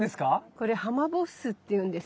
これハマボッスっていうんです。